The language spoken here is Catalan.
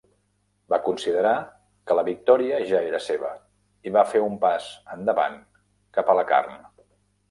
Va considerar que la victòria ja era seva i va fer un pas endavant cap a la carn.